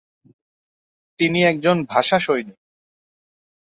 তিনি একজন ভাষা সৈনিক।